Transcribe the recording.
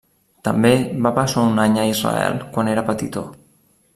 També va passar un any a Israel quan era petitó.